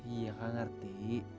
iya kak ngerti